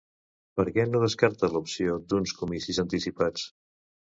Per què no descarta l'opció d'uns comicis anticipats?